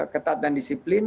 ketat dan disiplin